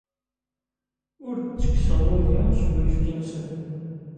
Ur d-ttekkseɣ udi seg uyefki-nsen.